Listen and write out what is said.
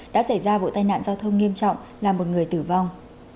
đã xảy ra vụ tai nạn giao thông nghiêm trọng làm một người tử vong